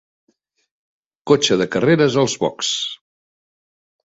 Cotxe de carreres als boxs.